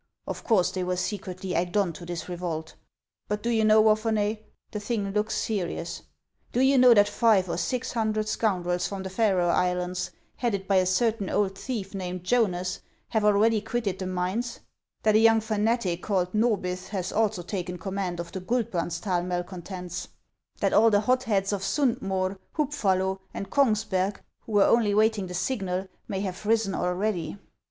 Of course they were secretly egged on to this revolt ; but do you know, Wapherney, the thing looks serious ? Do you know that five or six hundred scoundrels from the Faroe Islands, headed by a certain old thief named Jonas, have already quitted the mines ; that a young fanatic called Norbith has also taken command of the Guldbrandsdal malcon HANS OF ICELAND. tents ; that all the hot heads in Sund Moer, Hubi'ullo, and Kougsberg, who were only waiting the signal, may have risen already